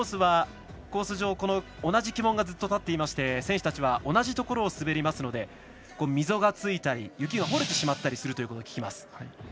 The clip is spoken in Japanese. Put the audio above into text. コース上、同じ旗門がずっと立っていまして選手たちは同じところを滑りますので溝がついたり、雪が掘れてしまったりということを聞きます。